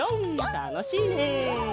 たのしいね！